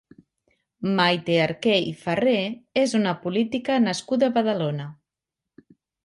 Maite Arqué i Ferrer és una política nascuda a Badalona.